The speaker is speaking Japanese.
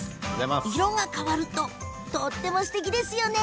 色が変わるととてもすてきですよね。